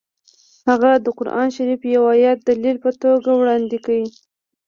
هغه د قران شریف یو ایت د دلیل په توګه وړاندې کړ